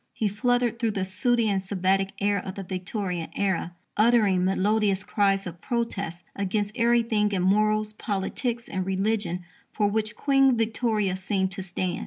He fluttered through the sooty and Sabbatic air of the Victorian era, uttering melodious cries of protest against everything in morals, politics, and religion for which Queen Victoria seemed to stand.